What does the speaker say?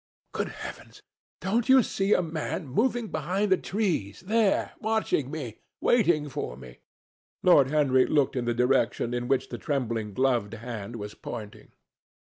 Good heavens! don't you see a man moving behind the trees there, watching me, waiting for me?" Lord Henry looked in the direction in which the trembling gloved hand was pointing.